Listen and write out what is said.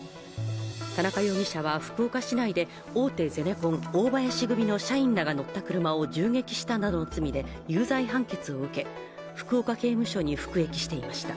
田中容疑者は福岡市内で大手ゼネコン大林組の社員らが乗った車を銃撃したなどの罪で有罪判決を受け、福岡刑務所に服役していました。